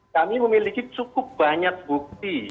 kami memiliki cukup banyak bukti